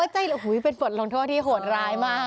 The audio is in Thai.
ใจเป็นบทลงโทษที่โหดร้ายมาก